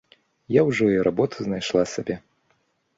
Я ўжо і работу знайшла сабе.